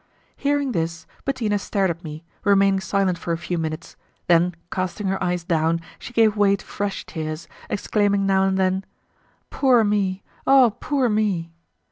Hearing this, Bettina stared at me, remaining silent for a few minutes, then casting her eyes down she gave way to fresh tears, exclaiming now and then: "Poor me! oh, poor me!"